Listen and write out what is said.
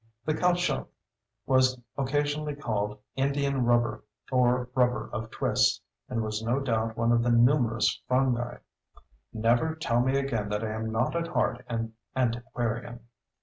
This caoutchouc was occasionally called Indian rubber or rubber of twist, and was no doubt one of the numerous fungi. Never tell me again that I am not at heart an antiquarian.